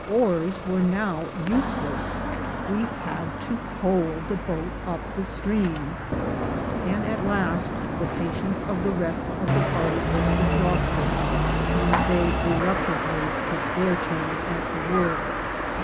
Oars were now useless — we had to pole the boat up the stream; and at last the patience of the rest of the party was exhausted, and they reluctantly took their turn at the work.